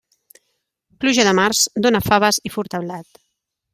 Pluja de març, dóna faves i furta blat.